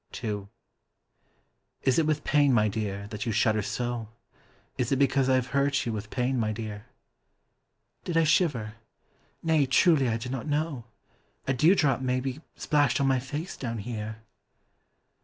II Is it with pain, my dear, that you shudder so? Is it because I have hurt you with pain, my dear? Did I shiver? Nay, truly I did not know A dewdrop may be splashed on my face down here.